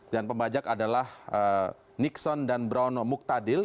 dan pembajak adalah nixon dan brown muktadil